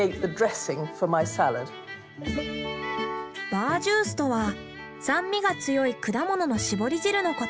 バージュースとは酸味が強い果物のしぼり汁のこと。